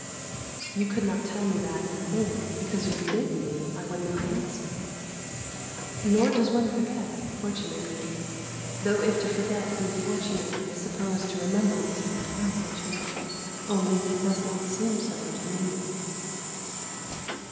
You could not tell me that and think, because you bid me, I would not answer? Nor does one forget fortunately though if to forget be fortunate, I suppose to remember must be unfortunate, only it does not seem so to me.